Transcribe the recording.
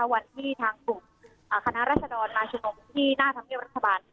วันที่ทางกลุ่มคณะรัชดรมาชุมงค์ที่หน้าทางเทพรัฐบาล